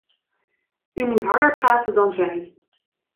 U moet harder praten dan zij.